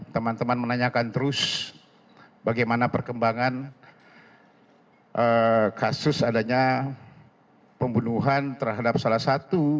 teman teman menanyakan terus bagaimana perkembangan kasus adanya pembunuhan terhadap salah satu